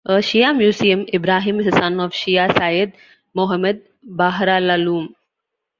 A Shia Muslim, Ibrahim is the son of Shia Sayed Mohammad Baharalaloom.